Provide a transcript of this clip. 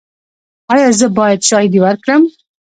ایا زه باید شاهدي ورکړم؟